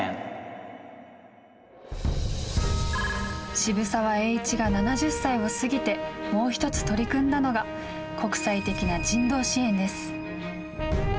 渋沢栄一が７０歳を過ぎてもう１つ取り組んだのが国際的な人道支援です。